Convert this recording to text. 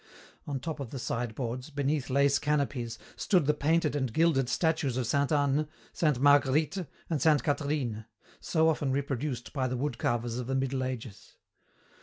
On top of the sideboards, beneath lace canopies, stood the painted and gilded statues of Saint Anne, Saint Marguerite, and Saint Catherine, so often reproduced by the wood carvers of the Middle Ages.